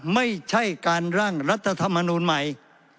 ไม่ใช่การร่างรัฐธรรมนูลใหม่